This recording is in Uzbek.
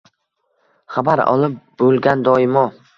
Xabar olib bulgan doimo